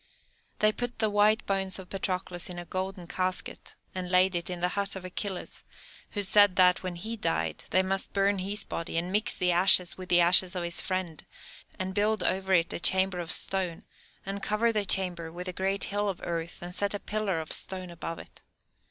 They put the white bones of Patroclus in a golden casket, and laid it in the hut of Achilles, who said that, when he died, they must burn his body, and mix the ashes with the ashes of his friend, and build over it a chamber of stone, and cover the chamber with a great hill of earth, and set a pillar of stone above it.